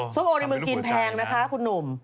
ส้มโอในเมืองจีนแพงนะคะคุณหนุ่ม